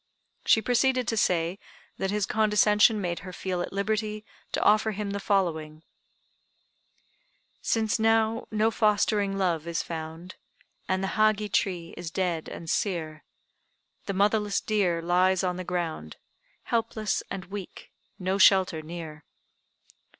She proceeded to say that his condescension made her feel at liberty to offer to him the following: "Since now no fostering love is found, And the Hagi tree is dead and sere, The motherless deer lies on the ground, Helpless and weak, no shelter near."